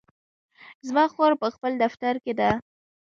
زما خور په خپل دفتر کې ده